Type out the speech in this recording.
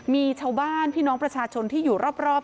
มีชาวบ้านพี่น้องประชาชนที่อยู่รอบ